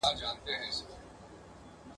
هري ورځي لره شپه، شپې ته سبا سته ..